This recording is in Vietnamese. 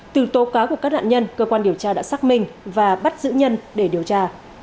từ tố cáo của các nạn nhân cơ quan điều tra đã xác minh và bắt giữ nhân để điều tra